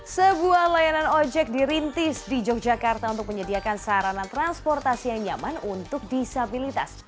sebuah layanan ojek dirintis di yogyakarta untuk menyediakan sarana transportasi yang nyaman untuk disabilitas